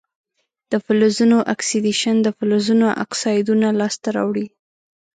د فلزونو اکسیدیشن د فلزونو اکسایدونه لاسته راوړي.